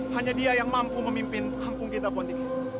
hanya dia yang mampu memimpin kampung kita politik